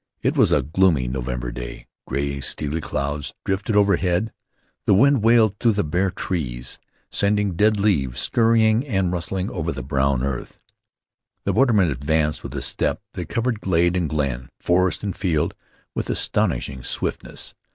It was a gloomy November day. Gray, steely clouds drifted overhead. The wind wailed through the bare trees, sending dead leaves scurrying and rustling over the brown earth. The borderman advanced with a step that covered glade and glen, forest and field, with astonishing swiftness.